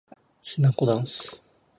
しなこだんす